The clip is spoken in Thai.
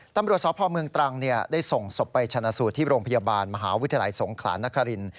ตำรวจสพเมืองตรังได้ส่งศพไปชนะสูตรที่โรงพยาบาลมหาวิทยาลัยสงขลานคริน